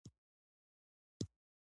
پلان ښه دی.